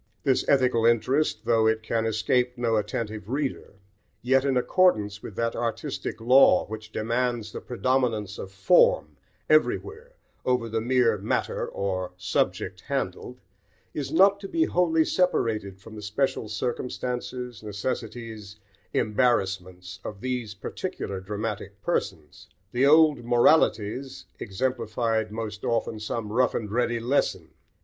This ethical interest, though it can escape no attentive reader, yet, in accordance with that artistic law which demands the predominance of form everywhere over the mere matter or subject handled, is not to be wholly separated from the special circumstances, necessities, embarrassments, of these particular dramatic persons. The old "moralities" exemplified most often some rough and ready lesson.